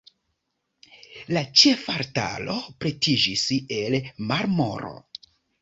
La ĉefaltaro pretiĝis el marmoro.